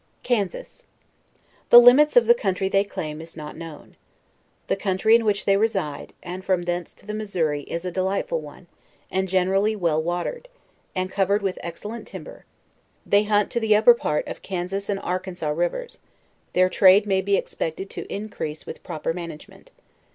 KANSAS. The limits of the country they claim, is not known. The country in which they reside, and from thence to the Missouri is a delightful one, and generally well water ed, and covered with excellent timber; they hunt to the up per part of Kansas and Arkansas rivers; their trade may be expected to increase with proper management.